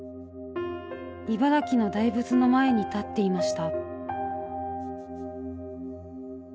茨城の大仏の前に立っていました。